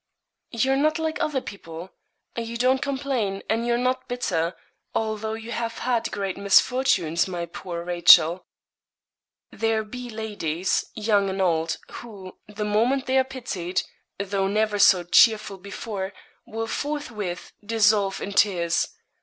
'You're not like other people; you don't complain, and you're not bitter, although you have had great misfortunes, my poor Rachel.' There be ladies, young and old, who, the moment they are pitied, though never so cheerful before, will forthwith dissolve in tears.